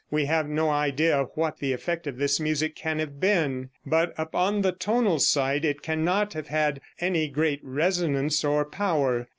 We have no idea what the effect of this music can have been, but upon the tonal side it cannot have had any great resonance or power.